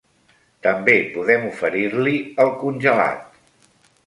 També podem oferir-li el congelat.